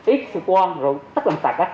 ít sự quan